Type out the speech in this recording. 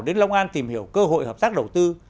đến long an tìm hiểu cơ hội hợp tác đầu tư